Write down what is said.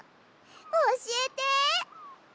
おしえて！